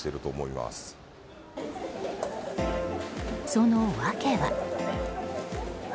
その訳は。